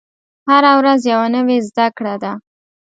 هره ورځ یوه نوې زده کړه ده.